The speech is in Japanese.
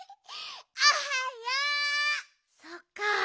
そっか。